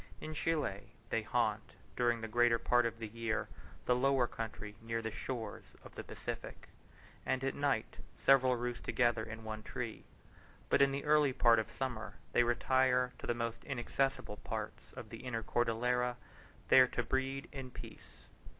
In Chile, they haunt, during the greater part of the year, the lower country near the shores of the Pacific, and at night several roost together in one tree; but in the early part of summer, they retire to the most inaccessible parts of the inner Cordillera, there to breed in peace.